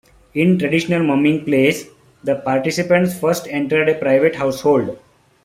In traditional mumming plays, the participants first entered a private household.